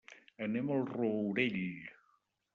Anem al Rourell.